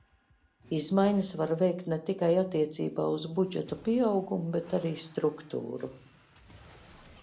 Izmaiņas var veikt ne tikai attiecībā uz budžeta pieaugumu, bet arī struktūru.